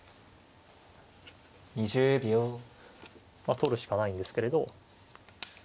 取るしかないんですけれど。